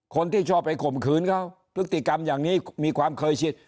คนที่ชอบไปข่มขืนเขาพฤติกรรมอย่างนี้มีความเคยชิน